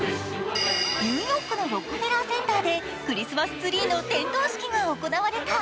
ニューヨークのロックフェラーセンターでクリスマスツリーの点灯式が行われた。